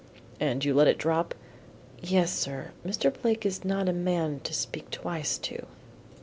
"And you let it drop?" "Yes sir; Mr. Blake is not a man to speak twice to."